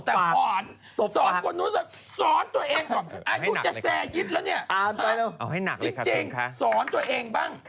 สอนตัวเองบ้าง